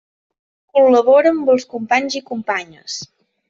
Col·labora amb els companys i companyes.